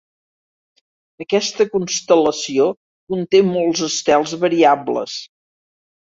Aquesta constel·lació conté molts estels variables.